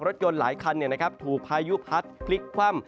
รถยนต์หลายคันถูกภายุพัดคลิกคว่ำ